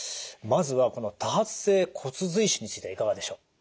まずはこの多発性骨髄腫についてはいかがでしょう？